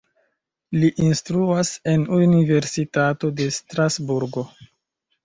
Li instruas en Universitato de Strasburgo.